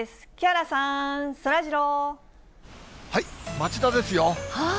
町田ですよ。